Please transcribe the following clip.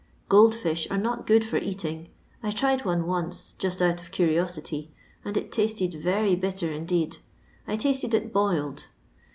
Gold fish are not good for eating. I tried one once, just out of curiosity, and it tasted very bitter indeed ; I tasted it boiled.